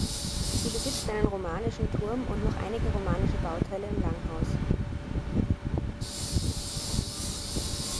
Sie besitzt einen romanischen Turm und noch einige romanische Bauteile im Langhaus.